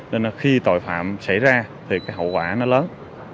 nên khi tội phạm xảy ra thì hậu quả lớn